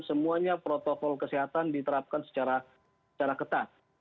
semuanya protokol kesehatan diterapkan secara ketat